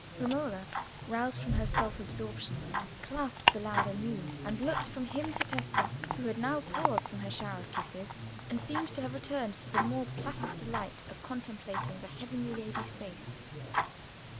Romola, roused from her self absorption, clasped the lad anew, and looked from him to Tessa, who had now paused from her shower of kisses, and seemed to have returned to the more placid delight of contemplating the heavenly lady's face.